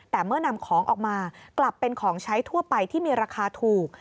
แต่เมื่อนำของออกมากลับเป็นของใช้ทั่วไปที่มีราคาถูก